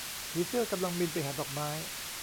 ผีเสื้อกำลังบินไปหาดอกไม้